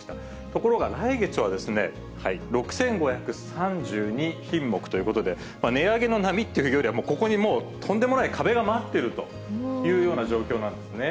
ところが来月は６５３２品目ということで、値上げの波というよりは、ここにもう、とんでもない壁が待っているというような状況なんですね。